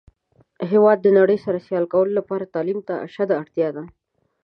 هیواد د نړۍ سره سیال کولو لپاره تعلیم ته اشده اړتیا ده.